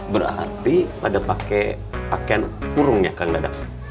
berarti pada pakaian kurung ya kang dadak